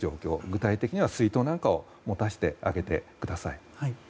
具体的には水筒なんかを持たせてあげてください。